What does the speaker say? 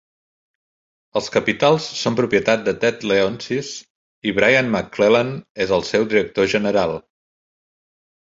Els capitals són propietat de Ted Leonsis i Brian McClellan és el seu director general.